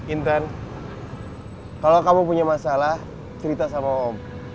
intan kalau kamu punya masalah cerita sama om